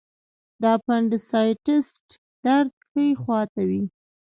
د اپنډیسایټس درد ښي خوا ته وي.